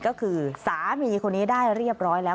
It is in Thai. ก็คือสามีคนนี้ได้เรียบร้อยแล้ว